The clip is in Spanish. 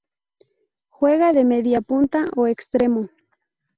Juega de mediapunta o extremo.